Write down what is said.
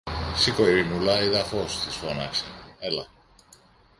Σήκω, Ειρηνούλα, είδα φως, της φώναξε. Έλα!